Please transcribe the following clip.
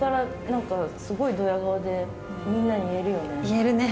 言えるね。